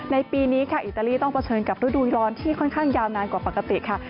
ปีนี้ค่ะอิตาลีต้องเผชิญกับฤดูร้อนที่ค่อนข้างยาวนานกว่าปกติค่ะ